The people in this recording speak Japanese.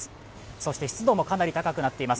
そして湿度もかなり高くなっています。